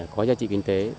có giá trị kinh tế